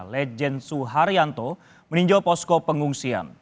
legend suharyanto meninjau posko pengungsian